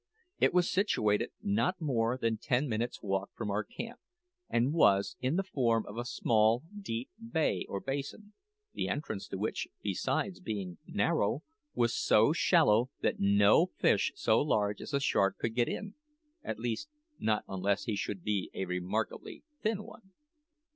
It was situated not more than ten minutes' walk from our camp, and was in the form of a small, deep bay or basin, the entrance to which, besides being narrow, was so shallow that no fish so large as a shark could get in at least, not unless he should be a remarkably thin one.